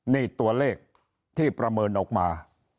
นี่ตัวเลขที่ประเมินออกมา